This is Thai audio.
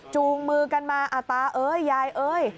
จูงมือกันมาตาเอ้ยยายเอ้ย